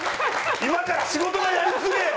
今から仕事がやりづれえ！